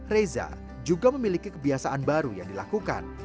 reza juga memiliki kebiasaan baru yang dilakukan